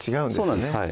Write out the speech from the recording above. そうなんです